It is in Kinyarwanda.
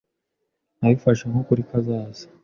Nabifashe nk'ukuri ko azaza.